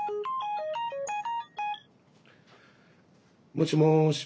もしもし。